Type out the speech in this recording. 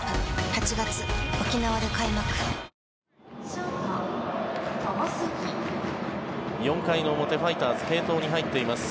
新「和紅茶」４回の表、ファイターズ継投に入っています。